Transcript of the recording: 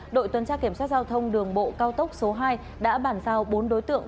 đội tuần tra kiểm soát giao thông đường bộ cao tốc số hai đã bản giao bốn đối tượng